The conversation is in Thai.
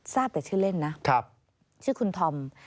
ทราบแต่ชื่อเล่นนะชื่อคุณธอม